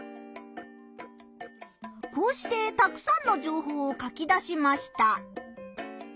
こうしてたくさんの情報を書き出しました。